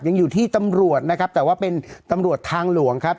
ยังอยู่ที่ตำรวจนะครับแต่ว่าเป็นตำรวจทางหลวงครับ